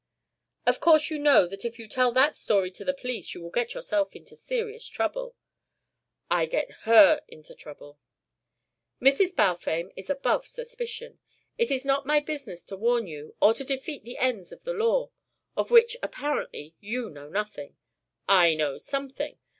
"Of course you know that if you tell that story to the police you will get yourself into serious trouble." "I get her into trouble." "Mrs. Balfame is above suspicion. It is not my business to warn you, or to defeat the ends of the law, of which apparently you know nothing " "I know someting.